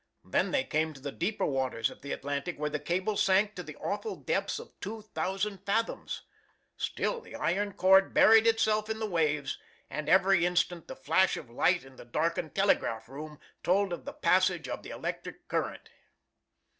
Then they came to the deeper waters of the Atlantic where the cable sank to the awful depths of 2,000 fathoms. Still the iron cord buried itself in the waves, and every instant the flash of light in the darkened telegraph room told of the passage of the electric current.